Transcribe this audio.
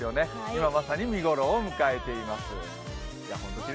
今まさに見頃を迎えています。